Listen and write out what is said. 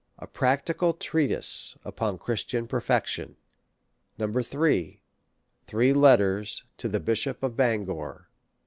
2. A Practical Treatise upon Christian Perfection. 8vo. and 12mo. 3. Three Letters to the Bishop of Bangor.